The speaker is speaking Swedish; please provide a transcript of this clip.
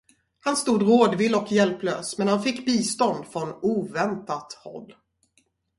Han stod rådvill och hjälplös, men han fick bistånd från oväntat håll.